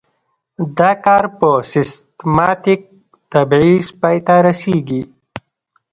دا کار په سیستماتیک تبعیض پای ته رسیږي.